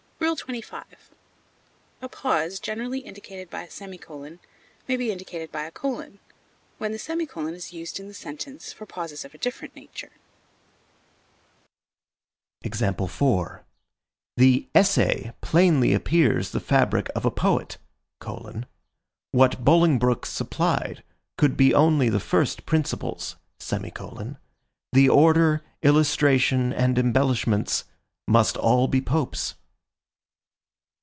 XXV. A pause generally indicated by a semicolon may be indicated by a colon, when the semicolon is used in the sentence for pauses of a different nature. The "Essay" plainly appears the fabric of a poet: what Bolingbroke supplied could be only the first principles; the order, illustration, and embellishments, must all be Pope's.